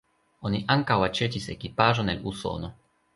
Oni ankaŭ aĉetis ekipaĵon el Usono.